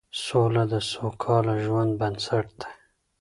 سوله د سوکاله ژوند بنسټ دی